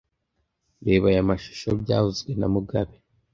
Reba aya mashusho byavuzwe na mugabe